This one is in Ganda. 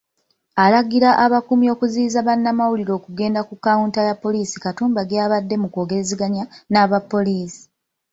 Alagira abakuumi okuziyiza munnamawulire okugenda ku kawunta ya poliisi Katumba gy'abadde mu kwogerezeganya n'abapoliisi.